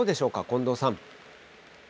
近藤さん。